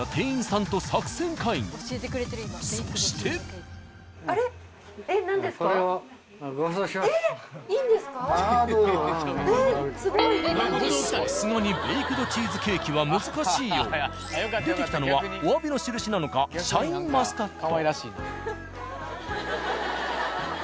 さすがにベイクドチーズケーキは難しいようで出てきたのはお詫びのしるしなのかシャインマスカット。